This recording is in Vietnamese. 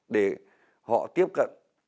để họ tiếp cận